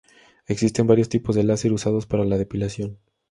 Existen varios tipos de láser usados para la depilación.